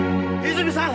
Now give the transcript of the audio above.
泉さん！